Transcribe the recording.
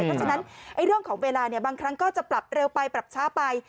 เพราะฉะนั้นเรื่องของเวลาบางครั้งก็จะปรับเร็วไปปรับช้าไป